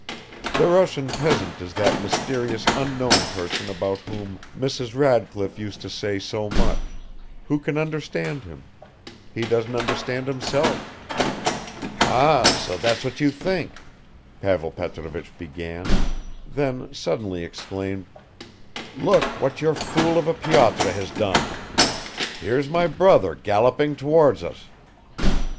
The Russian peasant is that mysterious unknown person about whom Mrs. Radcliffe used to say so much. Who can understand him? He doesn't understand himself." "Ah, so that's what you think," Pavel Petrovich began, then suddenly exclaimed, "Look what your fool of a Pyotr has done! Here's my brother galloping towards us."